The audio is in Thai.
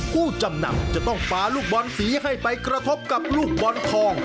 ผู้จำนำจะต้องฟ้าลูกบอลสีให้ไปกระทบกับลูกบอลทอง